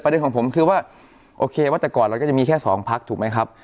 ของผมคือว่าโอเคว่าแต่ก่อนเราก็จะมีแค่สองพักถูกไหมครับ